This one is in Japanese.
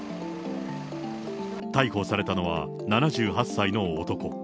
逮捕されたのは７８歳の男。